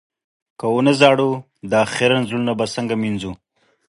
که و نه ژاړو، دا خيرن زړونه به څنګه مينځو؟